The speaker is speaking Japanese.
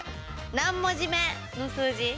何文字目の数字。